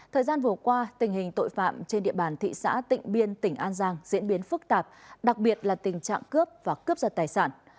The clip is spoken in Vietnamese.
thời gian vừa qua tình hình tội phạm trên địa bàn thị xã tịnh biên tỉnh an giang diễn biến phức tạp đặc biệt là tình trạng cướp và cướp giật tài sản